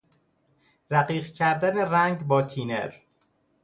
رقیق کردن رنگ با تینر